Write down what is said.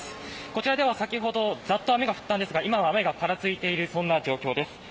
こちらでは先ほど、ざっと雨が降ったんですが、今は雨がぱらついている状況です。